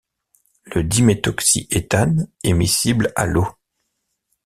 Le diméthoxyéthane est miscible à l'eau.